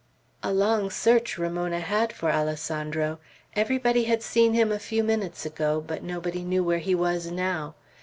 A long search Ramona had for Alessandro. Everybody had seen him a few minutes ago, but nobody knew where he was now.